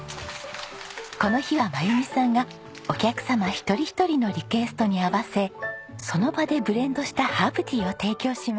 この日は真由美さんがお客様一人一人のリクエストに合わせその場でブレンドしたハーブティーを提供します。